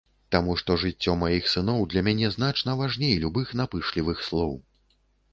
Таму што жыццё маіх сыноў для мяне значна важней любых напышлівых слоў.